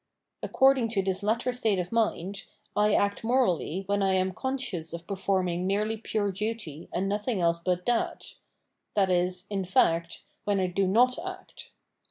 According to this latter state of mind, I act morally when I am conscious of performing merely pure duty and nothing else but that ; i.e. in fact, when I do not act.